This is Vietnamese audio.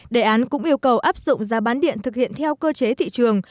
đề án cũng yêu cầu áp dụng giá bán điện thực hiện theo cơ chế thị trường